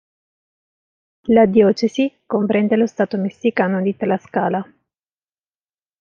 La diocesi comprende lo stato messicano di Tlaxcala.